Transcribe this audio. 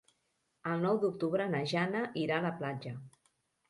El nou d'octubre na Jana irà a la platja.